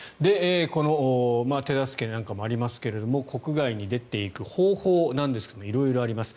この手助けなんかもありますが国外に出ていく方法なんですが色々あります。